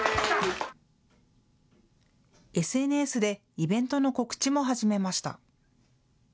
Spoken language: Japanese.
ＳＮＳでイベントの告知も始めました。